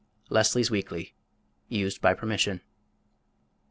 Leslie's Weekly; used by permission.